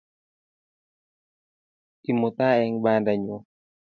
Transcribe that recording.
Imuta eng bandanyu